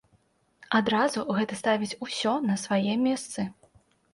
Адразу гэта ставіць усё на свае месцы.